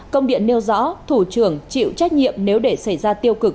công điện nêu rõ thủ trưởng chịu trách nhiệm nếu để xảy ra tiêu cực